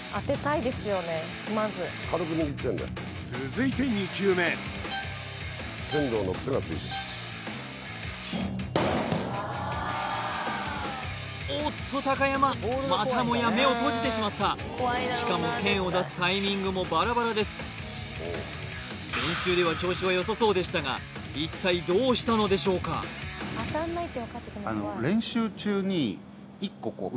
まず続いて２球目おっと高山またもや目を閉じてしまったしかも剣を出すタイミングもバラバラです練習では調子はよさそうでしたが一体どうしたのでしょうかあっ